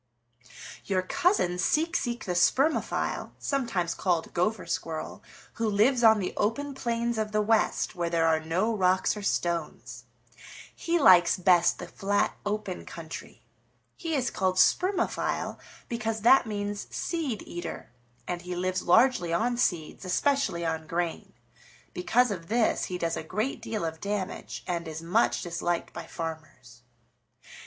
"Your cousin, Seek Seek the Spermophile, sometimes called Gopher Squirrel, who lives on the open plains of the West where there are no rocks or stones. He likes best the flat, open country. He is called Spermophile because that means seed eater, and he lives largely on seeds, especially on grain. Because of this he does a great deal of damage and is much disliked by farmers.